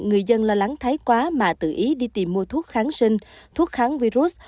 người dân lo lắng thái quá mà tự ý đi tìm mua thuốc kháng sinh thuốc kháng virus